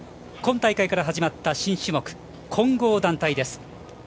今大会から始まった新種目混合団体です。